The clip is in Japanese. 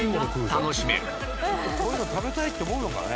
こういうの食べたいって思うのかね？